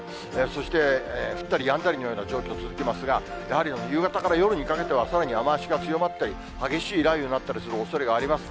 そして、降ったりやんだりのような状況続きますが、やはり夕方から夜にかけては、さらに雨足が強まったり、激しい雷雨になったりするおそれがあります。